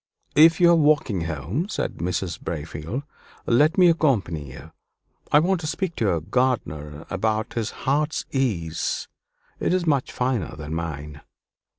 "If you are walking home," said Mr. Braefield, "let me accompany you. I want to speak to your gardener about his heart's ease it is much finer than mine."